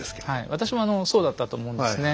私もそうだったと思うんですね。